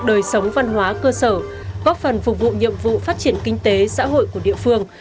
đời sống văn hóa cơ sở góp phần phục vụ nhiệm vụ phát triển kinh tế xã hội của địa phương